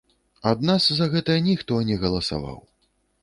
Ад нас за гэта ніхто не галасаваў.